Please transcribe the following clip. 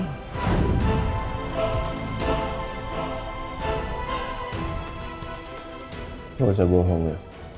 gak usah bohong ya